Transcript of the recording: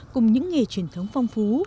cùng những nghề truyền thống phong phú